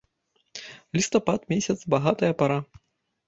Лістапад месяц, багатая пара.